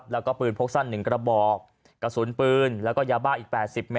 แล้วก็ปืนพกสั้น๑กระบอกกระสุนปืนแล้วก็ยาบ้าอีก๘๐เมต